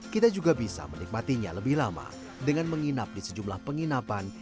kita juga bisa menikmatinya lebih lama dengan menginap di sejumlah penginapan